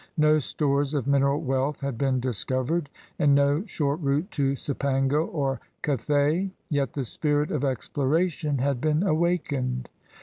No stores of mineral wealth had been discovered and no short route to Cipango or Ca thay. Yet the spirit of exploration had been awakened.